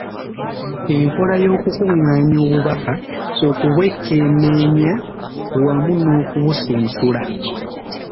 Enkola y’okukungaanya obubaka, okubwekenneenya, wamu n’okubusunsula.